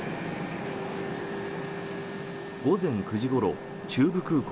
午前９時ごろ、中部空港。